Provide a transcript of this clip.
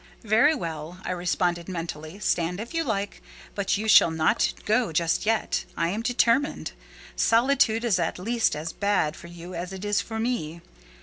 "Very well," I responded, mentally, "stand if you like; but you shall not go just yet, I am determined: solitude is at least as bad for you as it is for me.